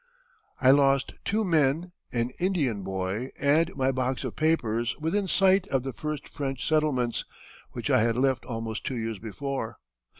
I lost two men, an Indian boy and my box of papers within sight of the first French settlements, which I had left almost two years before.